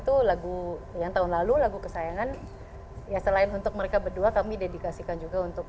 tuh lagu yang tahun lalu lagu kesayangan ya selain untuk mereka berdua kami dedikasikan juga untuk